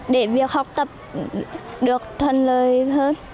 để việc học tập được thân thiện